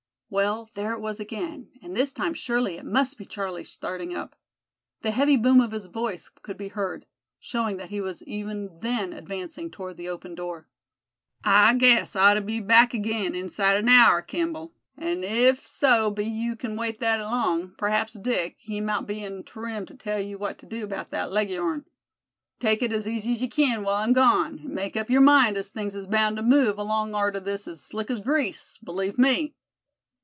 Well, there it was again, and this time surely it must be Charlie starting up. The heavy boom of his voice could be heard, showing that he was even then advancing toward the open door. "I guess I ought to be back again inside an hour, Kimball; an' if so be you kin wait thet long, p'raps Dick, he mout be in trim to tell you what to do 'bout thet leg o' yourn. Take it as easy as you kin while I'm gone, and make up yer mind as things is bound to move along arter this as slick as grease, believe me."